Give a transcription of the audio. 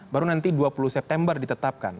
baru nanti dua puluh september ditetapkan